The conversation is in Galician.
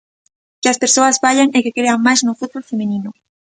Que as persoas vaian e que crean máis no fútbol feminino.